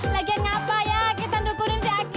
lagi ngapa ya kita dukunin si aki